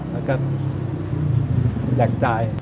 แล้วก็อยากจ่าย